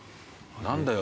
「何だよ」